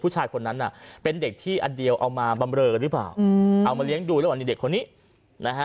เจอกันหรือเปล่าเอามาเลี้ยงดูแล้ววันนี้เด็กคนนี้